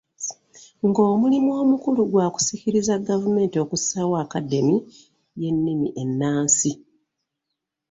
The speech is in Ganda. Ng’omulimu omukulu gwa kusikiriza gavumenti okussaawo academe y’ennimi ennansi.